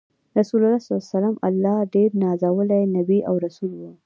رسول الله ص د الله ډیر نازولی نبی او رسول وو۔